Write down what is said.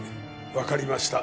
わかりました。